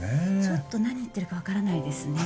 ちょっと何言ってるか分からないですね